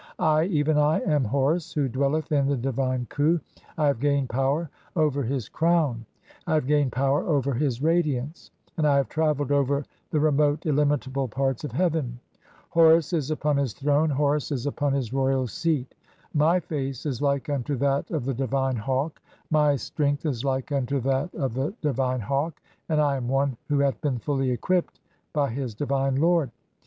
"I, even I, (33) am Horus who dwelleth in the divine Khu. [I] "have gained power over his crown, I have gained power over "his radiance, and I have travelled over the remote, illimitable "parts of (34) heaven. Horus is upon his throne, Horus is upon "his royal seat. My face is like unto that of the divine hawk, "my strength is like unto that of the divine hawk, and I am "one who hath been fully equipped by his divine Lord.